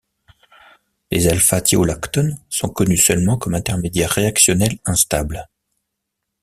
Les α- thiolactones sont connues seulement comme intermédiaires réactionnels instables.